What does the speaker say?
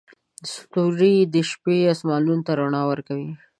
ستوري د شپې اسمان ته رڼا ورکوي.